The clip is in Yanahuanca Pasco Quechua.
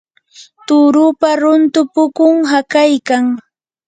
turupa runtu pukun hakaykan.